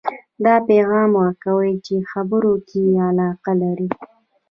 دا پیغام ورکوئ چې خبرو کې یې علاقه لرئ